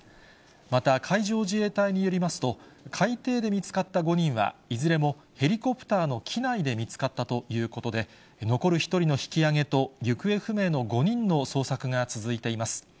また、海上自衛隊によりますと、海底で見つかった５人は、いずれもヘリコプターの機内で見つかったということで、残る１人の引きあげと行方不明の５人の捜索が続いています。